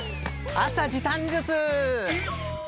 朝時短術！